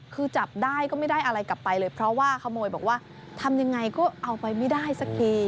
คือจับได้ก็ไม่ได้อะไรกลับไปเลยเพราะว่าขโมยบอกว่าทำยังไงก็เอาไปไม่ได้สักที